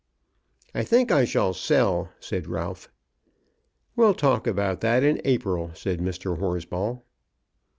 "I think I shall sell," said Ralph. "We'll talk about that in April," said Mr. Horsball.